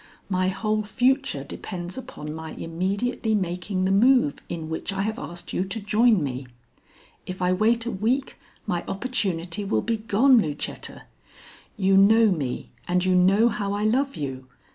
My whole future depends upon my immediately making the move in which I have asked you to join me. If I wait a week, my opportunity will be gone, Lucetta. You know me and you know how I love you.